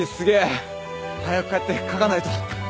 早く帰って書かないと！